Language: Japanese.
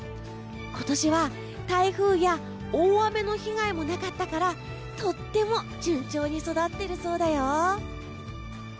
今年は台風や大雨の被害もなかったからとっても順調に育ってるそうだよ。